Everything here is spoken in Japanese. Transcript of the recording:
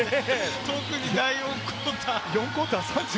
特に第４クオーター。